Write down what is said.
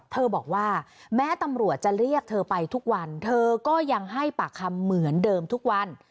เธอบอกว่าแม้ตำรวจจะเรียกเธอไปทุกวันเธอก็ยังให้ปากคำเหมือนเดิมทุกวัน